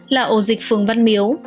là ổ dịch phường văn miếu